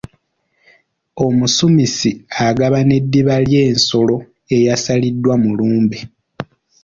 Omusumisi agabana eddiba ly’ensolo eyasaliddwa mu lumbe.